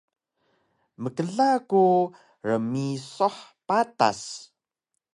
Mkla ku rmisuh patas